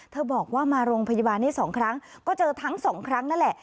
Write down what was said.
บอกว่ามาโรงพยาบาลนี้๒ครั้งก็เจอทั้งสองครั้งนั่นแหละ